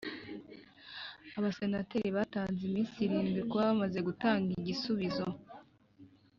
Abasenateri batanze iminsi irindwi kuba bamaze gutanga igisubizo